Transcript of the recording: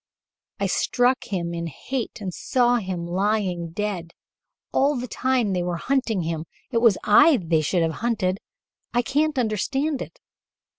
I struck him in hate and saw him lying dead: all the time they were hunting him it was I they should have hunted. I can't understand it.